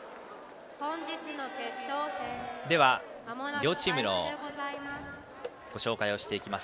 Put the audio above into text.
両チームのご紹介をしていきます。